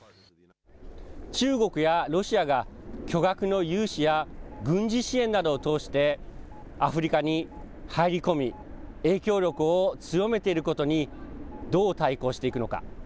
中国やロシアが巨額の融資や軍事支援などを通してアフリカに入り込み、影響力を強めていることにどう対抗していくのか。